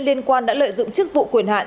liên quan đã lợi dụng chức vụ quyền hạn